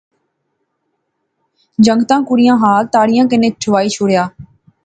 جنگتیں کڑئیں ہال تاڑئیں کنے ٹھوائی شوڑیا